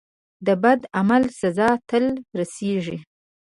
د بد عمل سزا تل رسیږي.